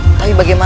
raja di dagangmu